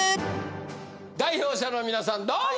代表者の皆さんどうぞ！